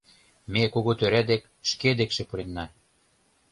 — Ме кугу тӧра дек шке декше пурена».